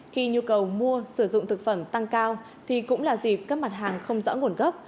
khi nhu cầu mua sử dụng thực phẩm tăng cao thì cũng là dịp các mặt hàng không rõ nguồn gốc